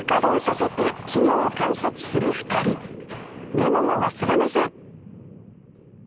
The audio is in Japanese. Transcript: メモも忘れません！